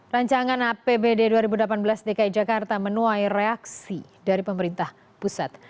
rancangan apbd dua ribu delapan belas dki jakarta menuai reaksi dari pemerintah pusat